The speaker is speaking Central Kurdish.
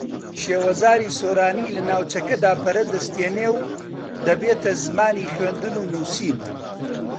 شێوەزاری سۆرانی لە ناوچەکەدا پەرە دەستێنێ و دەبێتە زمانی خوێندن و نووسین